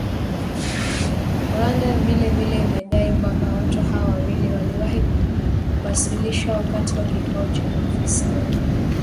Rwanda vile vile imedai kwamba watu hao wawili waliwahi kuwasilishwa wakati wa kikao cha maafisa wa ujasusi kati ya nchi hizo mbili.